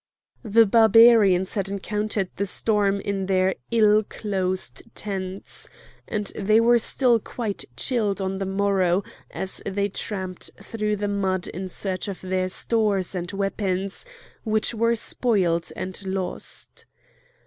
The Barbarians had encountered the storm in their ill closed tents; and they were still quite chilled on the morrow as they tramped through the mud in search of their stores and weapons, which were spoiled and lost.